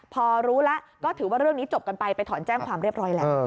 พอรู้แล้วก็ถือว่าเรื่องนี้จบกันไปไปถอนแจ้งความเรียบร้อยแล้ว